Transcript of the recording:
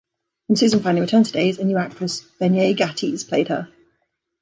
When Susan finally returned to "Days", a new actress, Bennye Gatteys played her.